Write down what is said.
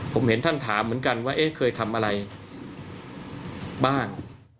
ผมเห็นท่านถามเหมือนกันว่าเอ๊ะเคยทำอะไรบ้าง